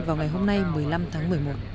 vào ngày hôm nay một mươi năm tháng một mươi một